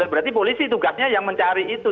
berarti polisi tugasnya yang mencari itu